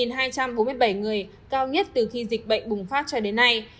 hai trăm bốn mươi bảy người cao nhất từ khi dịch bệnh bùng phát cho đến nay